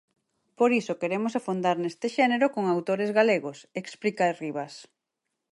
Por iso queremos afondar neste xénero con autores galegos, explica Ribas.